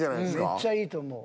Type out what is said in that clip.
めっちゃいいと思う。